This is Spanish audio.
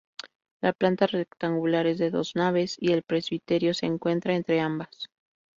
La planta rectangular es de dos naves y el presbiterio se encuentra entre ambas.